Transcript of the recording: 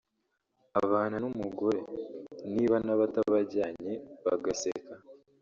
abana n’umugore (niba nabo atabajyanye) bagaseka